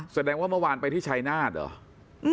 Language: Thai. แสดงว่าเมื่อวานไปที่ชายนาฏเหรอ